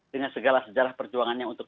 dengan segala sejarah perjuangannya untuk